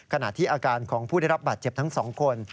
ขณะที่อาการของผู้ได้รับบาดเจ็บทั้งสองคน